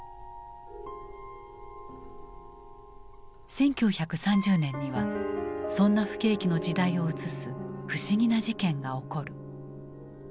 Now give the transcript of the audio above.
１９３０年にはそんな不景気の時代を映す不思議な事件が起こる。